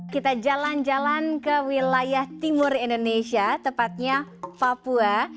kita jalan jalan ke wilayah timur indonesia tepatnya papua